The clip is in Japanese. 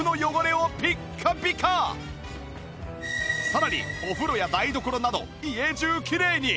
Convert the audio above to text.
さらにお風呂や台所など家中きれいに！